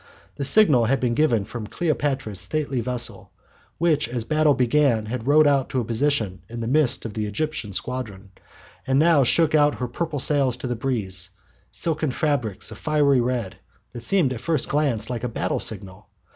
The signal had been given from Cleopatra's stately vessel, which as the battle began had rowed out to a position in the midst of the Egyptian squadron, and now shook out her purple sails to the breeze, silken fabrics of fiery red, that seemed at first glance like a battle signal.